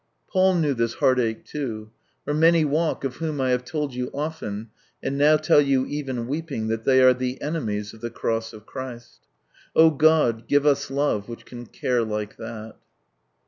Paul knew this heart ache too. " For many walk, of whom I have told you often, and now tell you even weeping, that they are the enemies of the Cross of Christ." Oh God, give us love which can care like that